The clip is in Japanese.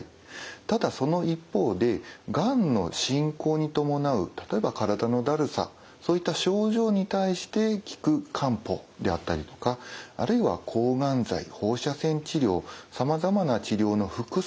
ただその一方でがんの進行に伴う例えば体のだるさそういった症状に対して効く漢方であったりとかあるいは抗がん剤放射線治療さまざまな治療の副作用